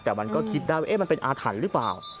แต่มันก็คิดได้ว่ามันเป็นอาถรรพ์หรือเปล่า